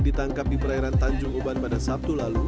ditangkap di perairan tanjung uban pada sabtu lalu